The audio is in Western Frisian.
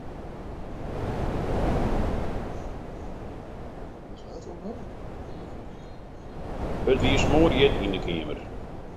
It wie smoarhjit yn 'e keamer.